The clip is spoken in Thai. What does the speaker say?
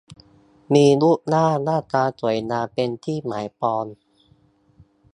มีรูปร่างหน้าตาสวยงามเป็นที่หมายปอง